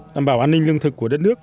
đảm bảo an ninh lương thực của đất nước